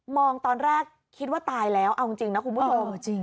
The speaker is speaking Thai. ตอนแรกคิดว่าตายแล้วเอาจริงนะคุณผู้ชม